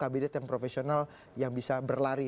kabinet yang profesional yang bisa berlari